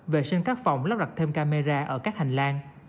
vệ sinh các phòng lắp đặt thêm camera ở các hành lang